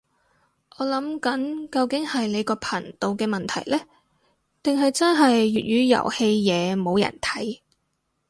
我諗緊究竟係你個頻道嘅問題呢，定係真係粵語遊戲嘢冇人睇